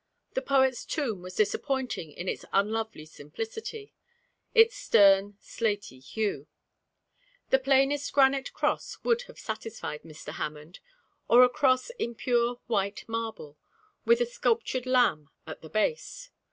The poet's tomb was disappointing in its unlovely simplicity, its stern, slatey hue. The plainest granite cross would have satisfied Mr. Hammond, or a cross in pure white marble, with a sculptured lamb at the base.